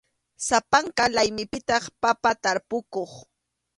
Sapanka laymipitaq papa tarpukuq.